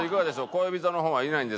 恋人の方はいないんですか？